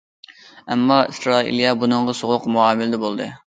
ئەمما ئىسرائىلىيە بۇنىڭغا سوغۇق مۇئامىلىدە بولدى.